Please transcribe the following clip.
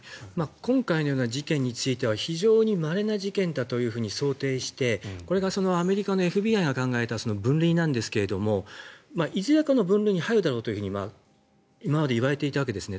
今回のような事件については非常にまれな事件だと想定してこれがアメリカのＦＢＩが考えた分類なんですけどいずれかの分類に入るだろうと今まで言われていたわけですね。